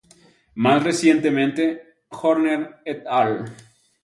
Más recientemente, Horner et al.